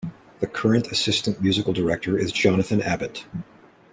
The current assistant musical director is Jonathan Abbott.